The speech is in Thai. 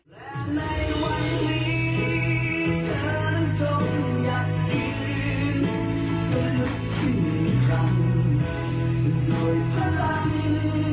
ด้วยพลังในหัวใจก็อย่าไปโยแครกับทั้งหากิใด